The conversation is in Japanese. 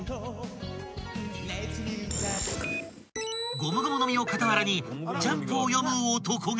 ［ゴムゴムの実を傍らに『ジャンプ』を読む男が］